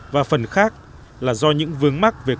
và phần khác là do những vướng mắt về cơ chế